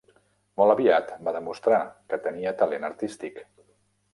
Molt aviat va demostrar que tenia talent artístic.